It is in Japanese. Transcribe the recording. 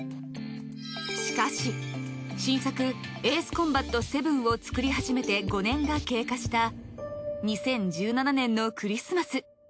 しかし新作「エースコンバット７」を作り始めて５年が経過した２０１７年のクリスマス。